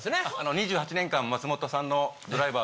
２８年間松本さんのドライバーをやってます